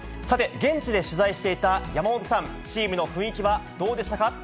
さて、現地で取材していた山本さん、チームの雰囲気はどうでしたか？